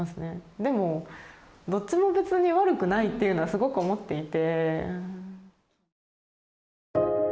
でもどっちも別に悪くないっていうのはすごく思っていて。